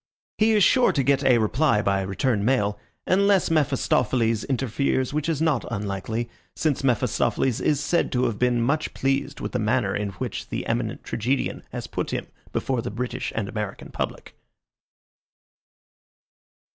He is sure to get a reply by return mail, unless Mephistopheles interferes, which is not unlikely, since Mephistopheles is said to have been much pleased with the manner in which the eminent tragedian has put him before the British and American public.